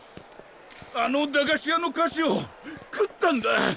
あの駄菓子屋の菓子を食ったんだ！